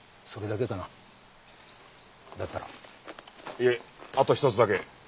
いえあと一つだけ。